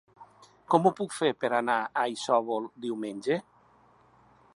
Com ho puc fer per anar a Isòvol diumenge?